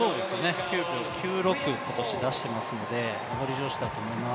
９秒９６、今年出していますので上り調子だと思います。